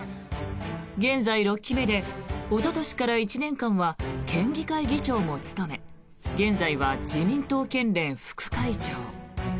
現在６期目でおととしから１年間は県議会議長も務め現在は自民党県連副会長。